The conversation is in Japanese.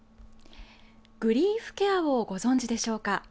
グリーフケアをご存じでしょうか。